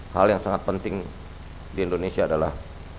hal yang sangat penting di indonesia adalah